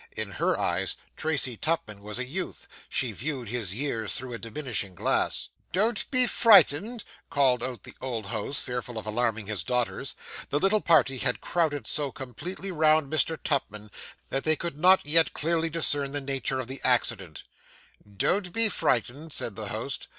In her eyes Tracy Tupman was a youth; she viewed his years through a diminishing glass. 'Don't be frightened,' called out the old host, fearful of alarming his daughters. The little party had crowded so completely round Mr. Tupman, that they could not yet clearly discern the nature of the accident. 'Don't be frightened,' said the host.